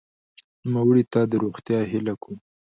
نوموړي ته د روغتیا هیله کوم.